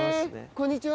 こんにちは。